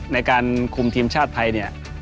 ในการคุมทีมชาติไทยเนี่ย